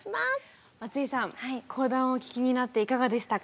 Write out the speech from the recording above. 松井さん講談をお聞きになっていかがでしたか？